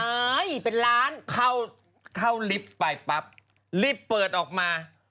เป็นล้านเข้าลิฟต์ไปปั๊บรีบเปิดออกมา